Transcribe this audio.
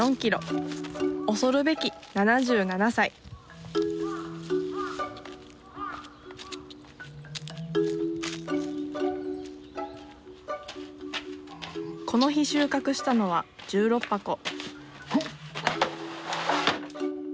恐るべき７７歳この日収穫したのは１６箱ほっ！